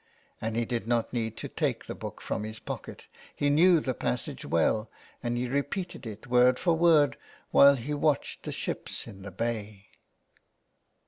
'* And he did not need to take the book from his pocket, he knew the passage well, and he repeated it word for word while he watched the ships in the bay.